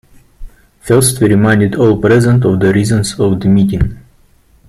First, he reminded all present of the reasons for the meeting.